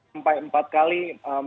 sampai empat kali